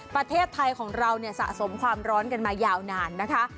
ประเทศไทยของเราเนี่ยสะสมความร้อนกันมายาวนานนะคะ